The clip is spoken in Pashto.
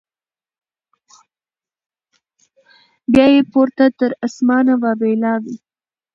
بیا یې پورته تر اسمانه واویلا وي